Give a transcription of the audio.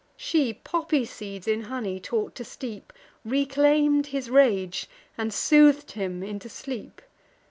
She poppy seeds in honey taught to steep, Reclaim'd his rage, and sooth'd him into sleep.